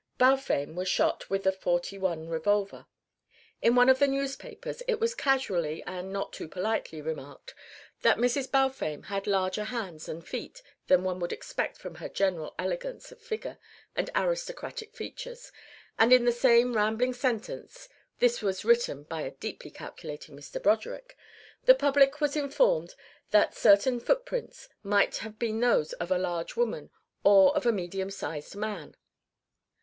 Balfame was shot with a .41 revolver. In one of the newspapers it was casually and not too politely remarked that Mrs. Balfame had larger hands and feet than one would expect from her general elegance of figure and aristocratic features, and in the same rambling sentence (this was written by the deeply calculating Mr. Broderick) the public was informed that certain footprints might have been those of a large woman or of a medium sized man.